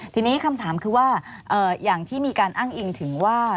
ทีนี้คำถามคือว่าอย่างที่มีการอ้างอิงถึงว่า